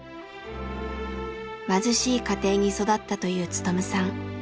貧しい家庭に育ったという勉さん。